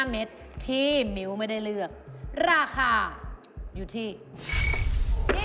๕เมตรที่มิ้วไม่ได้เลือกราคาอยู่ที่